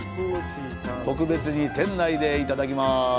特別に店内でいただきます。